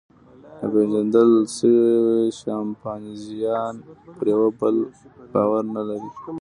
ناپېژندل شوي شامپانزیان پر یوه بل باور نهلري.